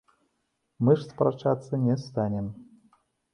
Мы ж спрачацца не станем.